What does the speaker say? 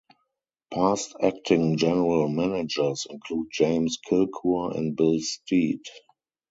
Past acting general managers include James Kilcur and Bill Stead.